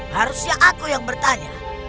harusnya aku yang bertanya